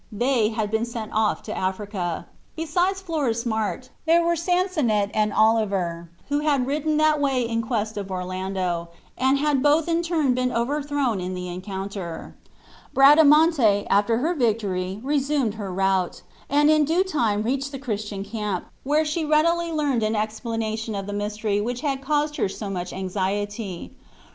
They had been sent off to Africa. Besides Florismart, there were Sansonnet and Oliver, who had ridden that way in quest of Orlando, and had both in turn been overthrown in the encounter. Bradamante after her victory resumed her route, and in due time reached the Christian camp, where she readily learned an explanation of the mystery which had caused her so much anxiety.